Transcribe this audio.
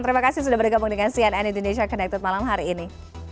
terima kasih sudah bergabung dengan cnn indonesia connected malam hari ini